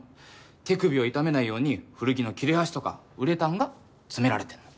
手首を痛めないように古着の切れ端とかウレタンが詰められてるの。